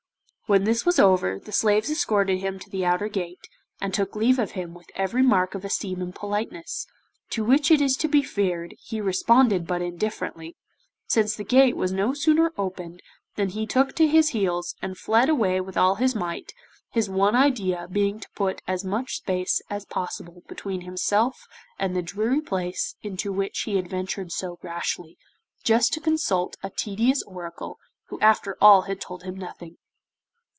When this was over the slaves escorted him to the outer gate, and took leave of him with every mark of esteem and politeness, to which it is to be feared he responded but indifferently, since the gate was no sooner opened than he took to his heels, and fled away with all his might, his one idea being to put as much space as possible between himself and the dreary place into which he had ventured so rashly, just to consult a tedious Oracle who after all had told him nothing.